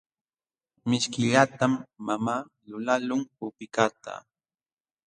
Mishkillatam mamaa lulaqlun upikaqta.